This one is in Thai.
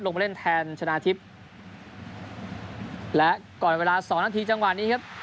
มาเล่นแทนชนะทิพย์และก่อนเวลาสองนาทีจังหวะนี้ครับ